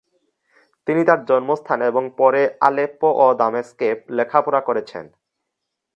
তিনি তার জন্মস্থান এবং পরে আলেপ্পো ও দামেস্কে লেখাপড়া করেছেন।